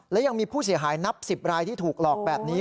และยังมีผู้เสียหายนับ๑๐รายที่ถูกหลอกแบบนี้